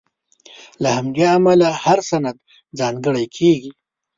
له همدې امله هر سند ځانګړی کېږي.